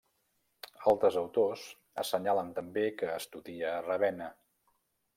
Altres autors assenyalen també que estudia a Ravenna.